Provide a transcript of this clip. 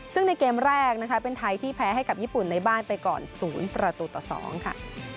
ซึ่งในเกมแรกนะคะเป็นไทยที่แพ้ให้กับญี่ปุ่นในบ้านไปก่อน๐ประตูต่อ๒ค่ะ